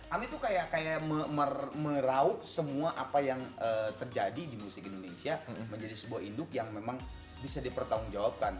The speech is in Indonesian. ami itu kayak merauk semua apa yang terjadi di musik indonesia menjadi sebuah induk yang memang bisa dipertanggung jawabkan